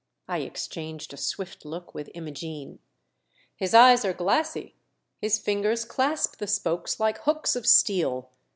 I exchanged a swift look with Imogene. "His eyes are glassy ; his fingers clasp the spokes like hooks of steel.